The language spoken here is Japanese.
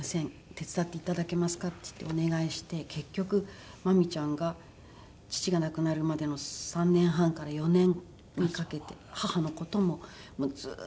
手伝っていただけますか？」って言ってお願いして結局まみちゃんが父が亡くなるまでの３年半から４年にかけて母の事ももうずーっと親身になって。